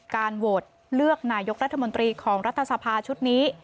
การโหวตเลือกนายกรัฐมนตรีของรัฐสภาชุดนี้